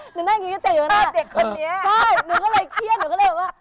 หนูนั่งกินก๋อเตี๋ยวอยู่ข้างหน้าใช่หนูก็เลยเครียดหนูก็เลยแบบว่า